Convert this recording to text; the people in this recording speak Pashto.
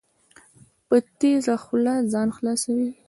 په تېزه خوله ځان خلاصوي.